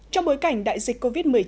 trong bối cảnh đại dịch covid một mươi chín